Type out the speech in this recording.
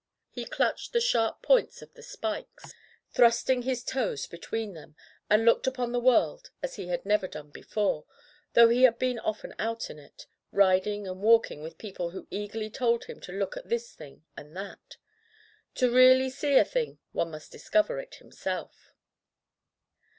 He clutched the sharp points of the spikes, [ 167] Digitized by LjOOQ IC Interventions thrusting his toes between them, and looked upon the world as he had never done before, though he had been often out in it, riding and walking with people who eagerly told him to look at this diing and that. To really see a thing one must discover it himself.